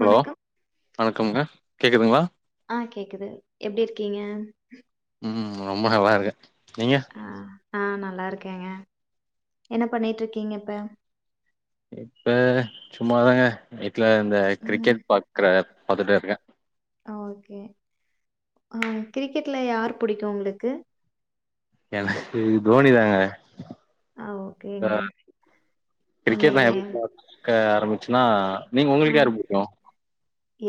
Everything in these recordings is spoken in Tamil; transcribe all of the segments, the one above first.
ஹலோ வணக்கம் வணக்கம்ங்க கேக்குதுங்களா ஆ கேக்குது எப்டி இருக்கீங்க ம் ரொம்ப நல்லா இருக்கே நீங்க நா நல்லா இருக்கேங்க என்ன பண்ணிட்டு இருக்கீங்க இப்ப இப்ப சும்மா தாங்க வீட்ல இந்த ம் கிரிக்கெட் பாக்கற பாத்துட்டே இருக்க ஆ ஓகே கிரிக்கெட்ல யார் புடிக்கு உங்களுக்கு எனக்கு தோனி தாங்க ஆ ஓகேங்க ஆ கிரிக்கெட்னா இங்கங்க [inaudible] க்க ஆரம்பிச்சுன்னா நீங்க ஆ உங்களுக்கு யார் புடிக்கு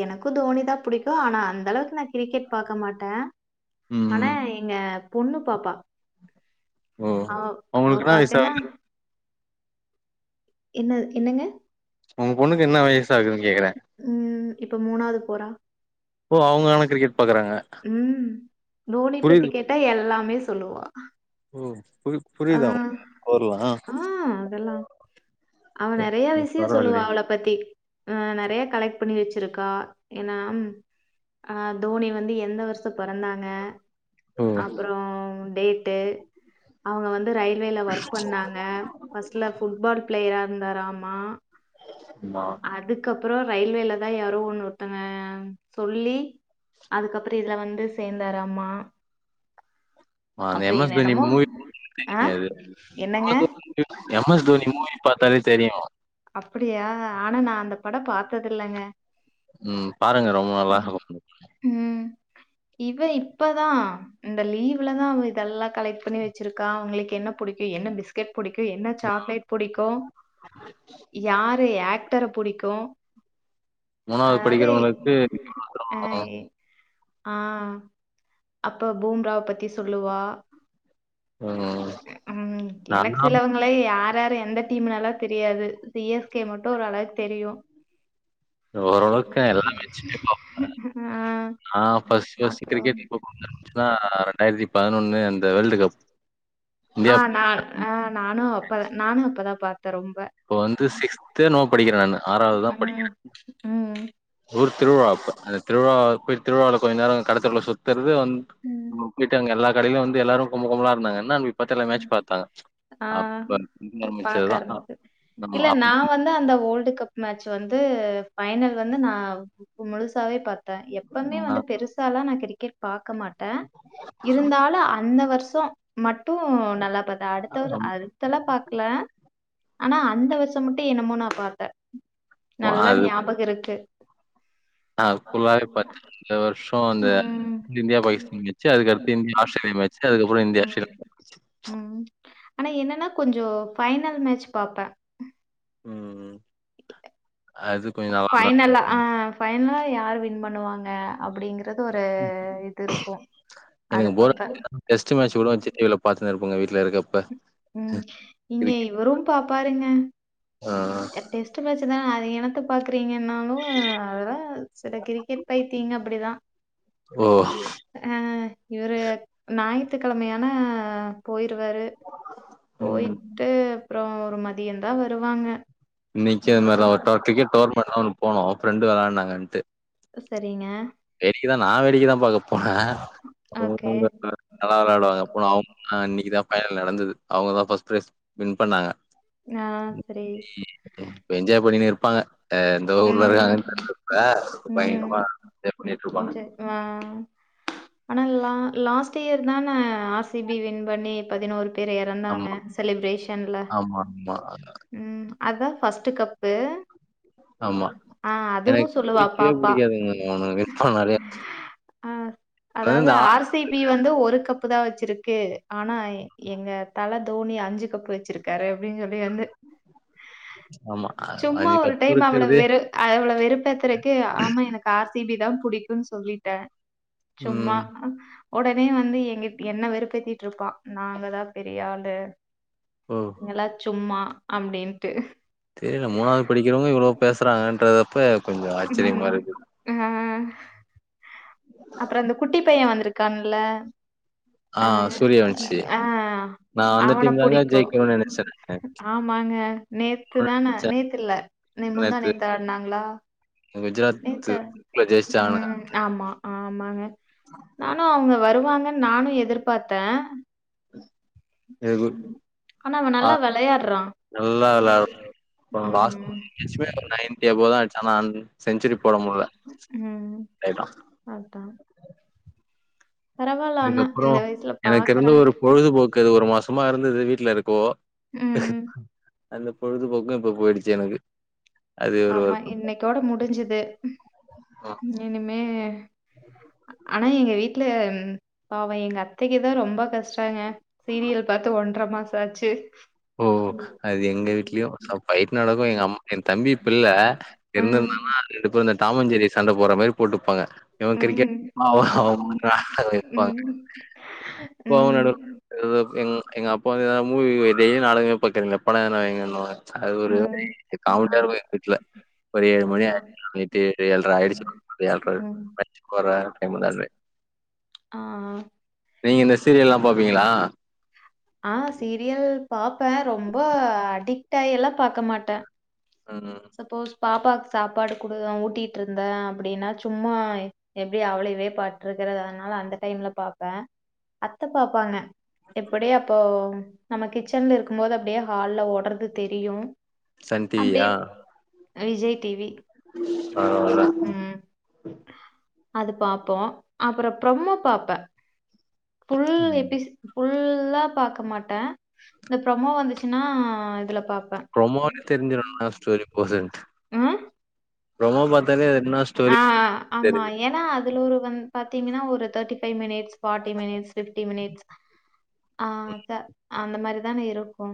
எனக்கும் தோனி தா புடிக்கும் ஆனா அந்த அளவுக்கு நா கிரிக்கெட் பாக்க மாட்டே ஆனா ம் எங்க பொண்ணு பாப்பா ஓ அவ அவ அவங்களுக்கு என்ன வயசு பாத்தேன்னா ஆகுது என்னது என்னங்க உங்க பொண்ணுக்கு என்ன வயசு ஆகுதுன்னு கேக்குறே உம் இப்ப மூணாது போறா ஓ அவங்க ஆனா கிரிக்கெட் பாக்குறாங்க உம் தோனி பத்தி புரியுது கேட் டா எல்லாமே சொல்லுவா ஓ புதுப் அ ஆ அதெல்லா அவ நெறையா விஷய சொல்லுவா பரவாயில்லயே அவள பத்தி ஆ நெறையா கலெக்ட் பண்ணி வச்சிருக்கா ஏன்னா தோனி வந்து எந்த வருஷ பொறந்தாங்க ஓ அப்பற டேட்டு அவங்க வந்து ரயில்வேல ஒர்க் பண்ணாங்க ஃபர்ஸ்ட்ல ஃபுட்பால் பிளேயரா இருந்தாரு ஆமா ஆமா அதுக்கப்பறோ ரயில்வேல தா யாரோ ஒண்ணு ஒருத்தங்க சொல்லி அதுக்கப்புற இதுல வந்து சேந்தாராமா ஆ அந்த எம் அப்புறம் எஸ் தோனி என்னென்னமோ மூவி ஆ [unintelligible] இது என்னங்க? பாக்கறது வந்து எம் எம் தோனி மூவி பாத்தாலே தெரியு அப்படியா ஆனா நா அந்த படம் பாத்ததில்லங்க உம் பாருங்க ரொம்ப நல்லா இருக்கும் உம் இவ இப்பதா இந்த லீவ்ல தா அவ இதெல்லா கலெக்ட் பண்ணி வச்சிருக்கா அவங்களுக்கு என்ன புடிக்கு என்ன பிஸ்கெட் புடிக்கு என்ன சாக்லேட் புடிக்கு யாரு ஆக்டர புடிக்கு மூணாவது படிக்கிறவங்களுக்கு [unintelligible] ஆ அப்ப பூம்ராவ பத்தி சொல்லுவா ம் உம் எனக்கு நான்லா சிலவங் களே யார் யாரு எந்த டீமுனல்லா தெரியாது சி எஸ் கே மட்டும் ஓர்ளவு தெரியும் ஓரளவுக்கு எல்லா ம் ஆ ஆ ஃபர்ஸ்ட் ஃபர்ஸ்ட்டு கிரிக்கெட் புடிச்சியிருஞ்சுன்னா ரெண்டாயிரத்தி பதினொன்னு அந்த வெர்ல்டு கப் இந்தியா ஆ நா ஆ நானும் அப்பதா நானும் அப்பதா பாத்தே ரொம்ப அப்போ வந்து சிக்ஸ்தோ என்னவோ படிக்கிறே நானு ஆறாவதுதா படிக் உம் உம் ஊர் திருவிழா அப்ப அந்த திருவிழா போய் திருவிழால கொஞ்சோ நேரோ கடத் தெருவுல சுத் த்தறது வந்து உம் போயிட்டாங்க எல்லா கடையிலும் வந்து எல்லாரும் கும்பல் கும்பலா இருந்தாங்க என்னான்னு போயி பாத்து எல்லா மேட்ச் பாத்தே அப்ப ஆஹ் புடிக்க ஆரம்பிச்சது பார்க்க தா ஆரம்பிச்சு ம் இல்ல ஆமா நான் வந்து அந்த வேர்ல்டு கப் மேட்ச் வந்து பைனல் வந்து நா முழுசாவே பாத்தே எப் எப்பவுமே வந்து பெருசால்லா நா கிரிக்கெட் பாக்க மாட்டே இருந்தாலும் அந்த வருஷம் மட்டு நல்லா பாத்தே அடுத்தவ அது ல்லா பாக்கல ஆனா அந்த வருஷ மட்டும் என்னமோ நா பாத்தே நல்லா ஞாபகம் இருக்கு அப்பெல்லா பதினஞ்சு வருஷோ அந்த ம். இந்தியா பாகிஸ்தான் மேச்சு அது அடுத்து இந்தியா ஆஸ்ரேலியா மேச்சு அதுக்கப்புறோ இந்தியா ஆஸ்ரே ம். ம் ஆனா என்னன்னா கொஞ்சோ ஃபைனல் மேட்ச் பாப்பே உம் அது கொஞ்சோ நல்லா இருக்கும் ஃபைனல்லா யார் வின் பண்ணுவாங்க அப்படிங்க து ஒரு இது இருக்கு அது பாப்பே இவ்ளோ பாத்துனே இருப்பாங்க வீட்டுல இருக்கப்ப உம் இங்க கிரிக்கெட் இவரு பாப்பாருங்க ஆ டேஸ்ட் மேச்சுதா அது எனத்த பாக்குறீங்கனாலு அதா சில கிரிக்கெட் பைத்தியங்க அப்டிதா ஓ அஹ் இவரு ஞாயித்து கிழமையானா போயிருவாரு ம். போயிட்டு அப்புறோ ஒரு மதியோ தா வருவாங்க நிச்சயமாதா டிக்கெட் டோர்னமென்ட் தா ஒன்னுபோனோ ஃப்ரெண்டு வரேனாங்கன்ட்டு சரிங்க வேடிக்க தா நா வேடிக்க தா பாக்க போனே அப்ப ஓகே உங்க நல்லா விளாடுவாங்க போன அவங்க இன்னைக்குதா ஃபைனல் நடந்தது அவங்கதா ஃபர்ஸ்ட் ப்ரைஸ் வின் பண்ணாங்க ஆஹ் சரி இப்ப என்ஜாய் பண்ணிட்டு இருப்பாங்க எந்த ஊர்ல உம் இருக்காங்கன்னு தெர்லங்க பயங்கரமா எப்டிருக்கு ம் சேரி ஆஹ் ஆனா லா லாஸ்ட் இயர் தானே ஆர் சி பி வின் பண்ணி பதினோரு பேரு எறந்தாங்க ஆமா, செலிப்ரேஷன்ல ஆமா, ஆமா, ம் அதா ஃபர்ஸ்ட்டு கப்பு ஆமா ஆஹ் எனக்கு அதுவும் சொல்லுவா பிடிக்கவே பாப்பா புடிக்காதுங்க ஆனாவே ஆ நறையா இருந்தா ஆர் சி பி வந்து ஒரு கப்பு தா வச்சிருக்கு ஆனா எங்க தல தோனி அஞ்சு கப்பு வச்சிருக் காரு அப்டின்னு சொல்லி வந்து ஆமா. அ சும்மா ஒரு கப் டைம் அவள இருக்கிறதே வெறு அவள வெறுப்பேத்துறக்கு ஆமா எனக்கு ஆர் சி பி தா புடிக்கும் சொல்லிட்டே சும்மா ம். உடனே வந்து எங்க என்ன வெறுப்பேத்திட்டு இருப்பா நாங்கதா பெரிய ஆளு ஓ எல்லா சும்மா அப்டின்ட்டு தெரில மூணாது படிக்கிறவங்க இவ்ளோ பேசுறாங்கன்றப்ப ம் ஆஹ் அப்புறோ அந்த குட்டி பைய வந்திருக்கான்ல ஆ அஹ் சூரியவன்ஷி. ஆஹ் நான் அந்த அவன டீம் தாங்க புடிக்கு ஜெயிக்கணும்னு நினைச்சேன். ஆமாங்க நேத்து தானே நேத்துல்ல நே நேத்து முந்தானேத்து ஆடுனாங்களா குஜராத் நேத்து ஜெயிச்சானுங்க. உம் ஆமா ஆமாங்க நானு அவங்க வருவாங்க நானு எதிர்பாத்தே [inaudible] எது ஆனா அவன் நல்லா ஆஹ் விளையாடுறான். நல்லா விளா போன லாஸ் ம், எஸ்பை நைன்டி அபோதா அடிச்சான்னா செஞ்சுரி போட முடில அதா ஆனா இதுக்கப்புறோ இந்த வயசுல எனக்கு இருந்த பார்க்குறாங்க. ஒரு பொழுதுபோக்கு இது ஒரு மாசமா இருந்தது வீட்டுல இருக்கோ ம். அந்த பொழுதுபோக்கு இப்ப போயிடுச்சு எனக்கு அது ஒரு ஆமா வருத்தம் இன்னைக்கோட முடிஞ்சது இனிமே ஆனா எங்க வீட்டுல பாவோ எங்க அத்தைக்கு தா ரொம்ப கஷ்டங்க சீரியல் பாத்து ஒன்றர மாச ஆச்சு ஓ அது எங்க வீட்லயும் சோ ஃபைட்டு நடக்கும் எங்க அம்மா என் தம்பி பிள்ள ம். இருந்துருந்தானா ரெண்டு பேரு இந்த தாமஞ்சேரி சண்ட போடுற மாரி போட்டுப்பாங்க இவன் கிரிக்கெட் ம். அவுங்க அவுங்க [unintelligible] பாங்க ம். போர் ம். நடக்கு எங்க அப்பா எதாது மூவி டெய்லி நாடகமே பாக்கறீங்க படம் எதுனா வைங்கன் வாங்க அது ஒரு ம். ம். காமெடியா இருக்கு வீட்ல ஒரு ஏழு அத மணி ஆய்ச்சு நேத்து ஏழ்ர ஆயிடுச்சு ஏழ்ற ம். ஆயிச் கொற டைமு நானு ஆ நீங்க இந்த சீரியல்லா பாப்பீங்களா ஆ சீரியல் பாப்ப ரொம்ப அடிக்ட் ஆய்ல்லா பாக்க மாட்ட ம் சப்போஸ் பாப்பாக்கு சாப்பாடு குடு ஊட்டிட் இருந்த அப்டினா சும்மா எப்டி அவளையவே பாத்துட்டு இருக்கிறது அதனால அந்த டைம்ல பாப்ப அத்த பாப்பாங்க எப்டியே அப்போ நம்ம கிச்சன்ல இருக்கு போது அப்டியே ஹால்ல ஓட்றது தெரியு சன் அப்டியே டிவியா விஜய் டிவி அவ்ளோதா ம். அது பாப்போ அப்பற ப்ரோமோ பாப்ப ஃபுல் எபிஸ் ஃபுல்லா பாக்க மாட்ட இந்த ப்ரமோ வந்துச்சுனா இதுல பாப் ப்ரோமோல தெரிஞ்சிரு என்னா ஸ்டோரி போதுன்ட்டு ஆ ப்ரோமோ பாத்தாலே என்னா ஆ ஸ்டோரி ஆமா. தெரிஞ்சிரு ஏன்னா, அதுல ஒரு வந் பாத்தீங்கனா ஒரு thirty five minutes forty minutes fifty minutes ஆ அதா அந்த மாரிதான இருக்கு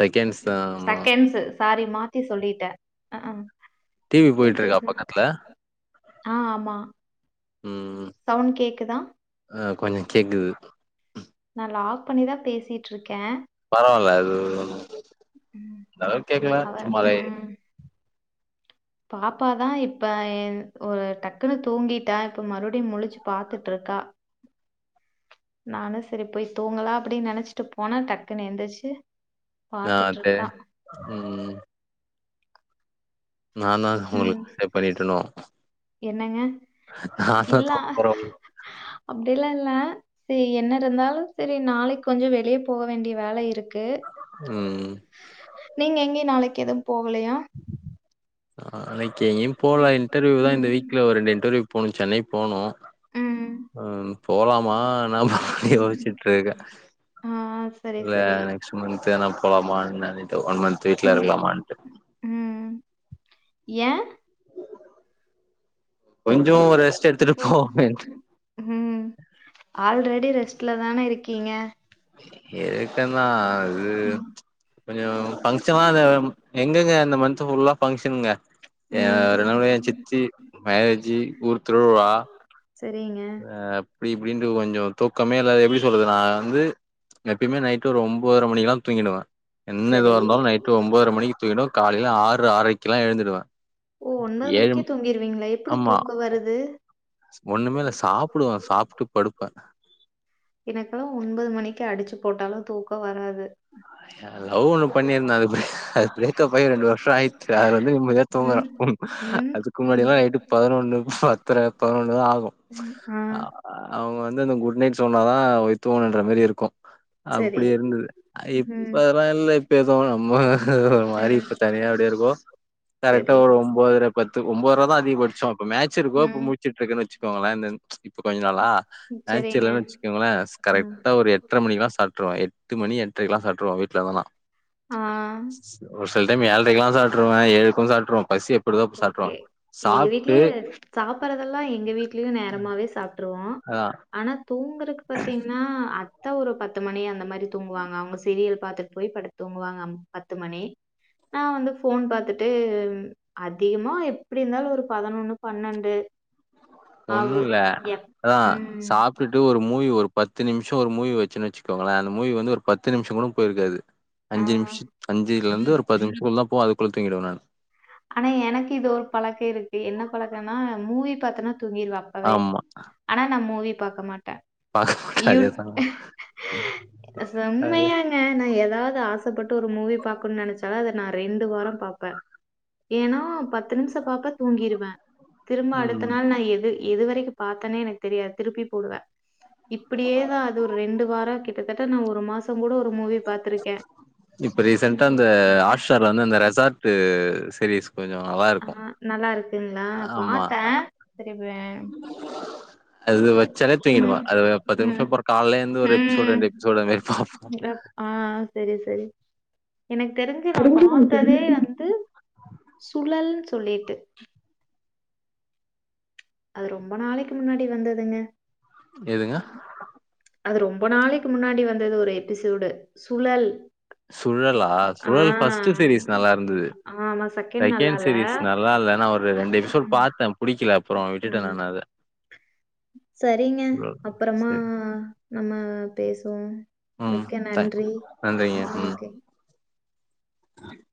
செகண்ட்ஸ் தா ஆமா செகண்ட்சு சாரி மாத்தி சொல்லிட்ட டிவி போய்ட்டுருக்கா பக்கத்துல ஆ ஆமா ம் சவுண்ட் கேக்குதா ஆ கொஞ்சோ கேக்குது நா லாக் பண்ணிதா பேசிட்ருக்க பரவால்ல அது ஒன்னு ம் அந்த அளவுக்கு கேக்கல அவ சும்மா லைட் ம். பாப்பா தா இப்போ என் ஒரு டக்குன்னு தூங்கிட்டா இப்போ மறுபடியு முழுச்சு பாத்துட்ருக்கா நானு செரி போய் தூங்கலா அப்டின் நெனைச்சிட்டு போன டக்குனு எந்திருச்சு நாத்தே ம் நா தா உங்கள நீங்க டிஸ்டர்ப் பண்ணிட்டனோ என்னங்க நா தா இல்ல தூங்க போற அப்டில்லா இல்ல செரி என்ன இருந்தாலு செரி நாளைக்கு கொஞ்சோ வெளிய போக வேண்டிய வேல இருக் கு ம் நீங்க எங்கே நாளைக்கு எதுவு போகலயா நாளைக்கு எங்கயு போல இன்டர்வியூ தா இந்த வீக்ல ம். ஒரு ரெண்டு இன்டர்வியூ போணு சென்னை போணு ம். ம் போலாமா வேணாமான் ம். யோசிச்சுட்ருக்க ஆ சரி சரி நெஸ்ட் மந்த் வேணா போலாமா என்னானிட்டு ஒன் மந்த் வீட்ல ம். இருக்கலாமான்ட்டு ம் ஏன் கொஞ்சோ ரெஸ்ட் எடுத்துட்டு போ போவமேன் ம் ஆல்ரெடி ரெஸ்ட்ல தான இருக்கீங்க எது க்கனா அது ம். கொஞ்சொ ஃபங்க்ஷனாதா எங்கெங்க இந்த மந் த்து ஃபுல்லா ஃபங்க்ஷனுங்க எ ம். யாருனா பைய சித்தி மேரேஜி ஊர் திருவிவா செரிங்க அ அப்டி இப்டின்ட்டு கொஞ்சொ தூக்கமே இல்ல அது எப்டி சொல்றது நா வந்து எப்பயுமே நைட்டு ஒரு ஒம்போதர மணிக்குல்லா தூங்கிடுவே என்ன இதுவா சரி. இருந்தாலு நைட்டு ஒம்போதர மணிக்கு தூங்கிடுவே காலைல ஆறு ஆறரைக்குல்லா எழுந்துடுவே ஓ ஒன்பது ஏழு மணிக்கே தூங்கிருவீங்களா எப்டி தூக்கொ வருது ஒன்னுமே இல்ல சாப்புடுவே சாப்ட்டு படுப்பே எனக்கெல்லா ஒன்பொது மணிக்கு அடிச்சு போட்டாலு தூக்கொ வராது லவ் ஒன்னு பண்ணியிருந்த அது அது பிரேக்கப்பாய் ரெண்டு வருஷோ ஆயிடுச்சு அதுலந்து நிமதியா தூங்குற ம். ம். அதுக்கு ம். முன்னாடில்லா நைட்டு பதினொன்னு பத்தர பதினொன்னுதா ஆகு ஆ அவங்க வந்து அந்த குட் நைட் சொன்னாதா வோய் தூங்கணுன்ற மாரி இருக்கு சரி. அப்டி இருந்தது ம். இப்பெல்லா இல்ல இப்ப எதோ நம்ம ஒரு மாரி ம். இப்ப தனியா அப்டியே இருக்கோ கரெக்டா செரி ஒரு ஒம்போதுர பத்து ஒம்போதரதா அதிக பச்சோ அப்ப மேட்ச் இருக்கோ அப்ப ம் முழு ச்சுட்ருக்கன்னு வச்சுக்கோங்கள இந்த இப்ப கொஞ்ச நாளா மேட்ச் செரிங்க இல்லன்னு வச்சுக்கோங்களே கரெக்டா ஒரு எ எட்ர மணிக்குல்லா சாப்ட்டுருவே எட்டு மணி எட்டரைக்கெல்லா சாப்ட்டுருவே வீட்ல இருந்தனா ஆ செல டைம் ஏழ்ரைக்குல்லா சாப்ட்டுருவே ஏழுக்கு சாப்ட்டுருவே பசி எப்ப எடுக்குதோ அப்ப சாப்ட்ருவே சாப்ட்டு சாப்படறதெல்லா எங்க வீட்லயு நேரமாவே சாப் அதா ஆனா தூங்குறக்கு பாத்தீங்ன்னா அ த்த ஒரு பத்து மணி அந்த மாரி தூங்குவாங்க அவுங்க சீரியல் பாத்துட் போய் படுத் தூங்குவாங்க அம் பத்து மணி நா வந்து ஃபோன் பாத்துட்டு ம் அதிகமா எப்டி இருந்தாலு ஒரு பதினொன்னு பன்னெண்டு ஆகு ஒன்னுல்ல எப் அதா ம் சாப்ட்டுட்டு ஒரு மூவி ஒரு பத்து நிமிஷொ ஒரு மூவி வச்சன்னு வச்சுக்கோங்களே அந்த மூவி வந்து ஒரு பத்து நிமிஷொ கூட பொயிருக்காது ஆ அஞ்சு நிமிஷ் அஞ்சுலந்து ஒரு பத்து நிம்ஷத்துக்குள்ளதா போவோ அதுக்குள்ள தூங்கிடுவே நான் ஆனா எனக்கு இது ஒரு பழக்கொ இருக்கு என்ன பழக்கனா மூவி பாத்தன்னா தூங்கிருவ அப்பவே ஆமா ஆனா நா மூவி பாக்க மாட்ட பாக்க மாட்டே அதே யூட் தா அ அது செம்மய ன நா எதாவது ஆச பட்டு ஒரு மூவி பாக்கனுன் நெனைச்சால அத நா ரெண்டு வாரோ பாப்ப ஏனா பத்து நிமிஷொ பாப்ப தூங்கிருவே திரும்ப அடுத்த ம் நாள் நா எது எதுவரைக்கு பாத்தனே எனக்கு தெரியாது திருப்பி போடுவே இப்டியேதா அது ஒரு ரெண்டு வாரொ கிட்டத்தட் ட நா ஒரு மாசோங் கூட ஒரு மூவி பாத்துருக்கே த்தர வந்து அந்த ரெசார்ட் சீரிஸ் கொஞ்சொ நல்லா ஆ இருக்கு நல்லாருக்குங்களா ஆமா பாத்தே சரி வேண் அது வச்சாலே தூங்கிடுவா ம். அது பத்து நிமிஷோ ம். பாக் காலே ஏந்து ஒரு எபிசோடு ம். ரெண்டு எபிசோட் அது மாரி பாப் அப் ஆ செரி செரி எனக்கு தெரிஞ்சு நா பாத்ததே வந்து சுழல்னு சொல்லிட்டு அது ரொம்ப நாளைக்கு முன்னாடி வந்துதுங்க எதுங்க அது ரொம்ப நாளைக்கு முன்னாடி வந்தது ஒரு எபிசோடு சுழல் சுழலா ஆ. சுழல் ஃபஸ்ட் சிரீஸ் நல்லாருந்தது ஆமா. செகண்ட் நல்லால்ல. சீரிஸ் நல்லா இல்ல நா ஒரு ரெண்டு ம், எபிசோட் ம், பாத்தே புடிக்கல அப்றோ விட்டுட்ட ம். நான் அத சரிங்க அப்புறமா சரி. நம்ம பேசுவோம் ம். மிக்க த நன்றி அ ஓகே ஆஹ [inaudible]